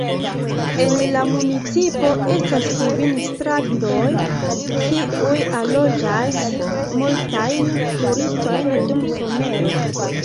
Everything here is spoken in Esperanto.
En la municipo estas kvin strandoj, kiuj allogas multajn turistojn dum somero.